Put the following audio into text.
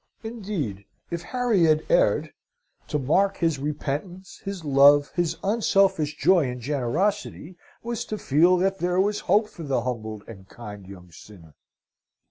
Indeed, if Harry had erred, to mark his repentance, his love, his unselfish joy and generosity, was to feel that there was hope for the humbled and kind young sinner.